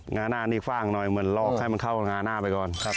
หน้านี่ฟ่างหน่อยเหมือนลอกให้มันเข้างาหน้าไปก่อนครับ